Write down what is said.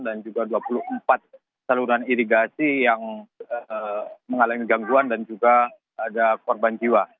dan juga dua puluh empat saluran irigasi yang mengalami gangguan dan juga ada korban jiwa